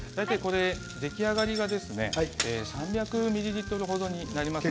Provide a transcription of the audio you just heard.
出来上がりが３００ミリリットル程になります。